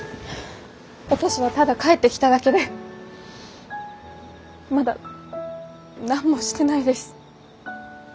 私はただ帰ってきただけでまだ何もしてないです。